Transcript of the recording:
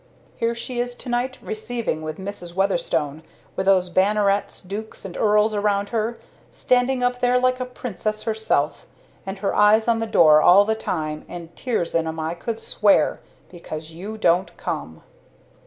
"Here she is to night, receiving with Mrs. Weatherstone with those Bannerets, Dukes and Earls around her standing up there like a Princess herself and her eyes on the door all the time and tears in 'em, I could swear because you don't come!"